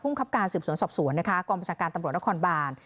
ครับการสืบสวนสอบสวนนะคะกองประชาการตำรวจนครบาน